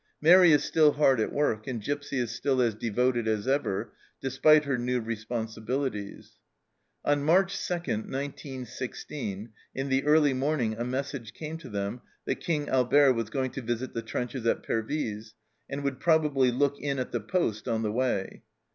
Mairi is still hard at work, and Gipsy is still as devoted as ever, despite her new responsibilities. On March 2, 1916, in the early morning a message came to them that King Albert was going to visit the trenches at Pervyse, and would probably look in at theposte on the way.